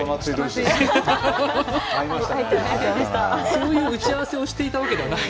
そういう打ち合わせをしていたわけではない。